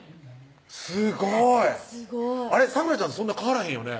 すごいすごいあれっ咲楽ちゃんとそんな変わらへんよね